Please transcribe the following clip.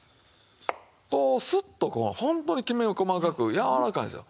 こうすっとこうホントにきめが細かくやわらかいんですよ。